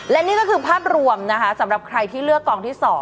และนี่ก็คือภาพรวมนะคะสำหรับใครที่เลือกกองที่๒